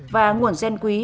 và nguồn gen quý